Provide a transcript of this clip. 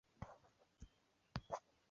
太平二十二年九月冯弘沿用。